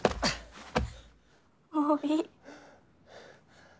もういい。